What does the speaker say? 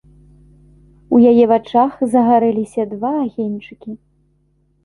У яе вачах загарэліся два агеньчыкі.